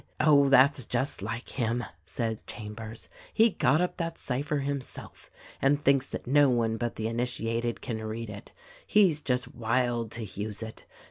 "Oh, that's just like him," said Chambers, "he got up that cypher himself and thinks that no one but the initiated can read it. He's just wild to use it.